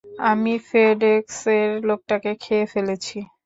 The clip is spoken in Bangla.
আমি ফেডএক্স এর লোকটাকে খেয়ে ফেলেছি।